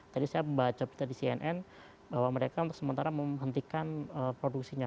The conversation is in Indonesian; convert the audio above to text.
tadi saya membaca berita di cnn bahwa mereka untuk sementara menghentikan produksinya